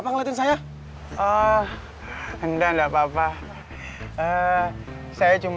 mas ustadz dari pulang kampung kemaren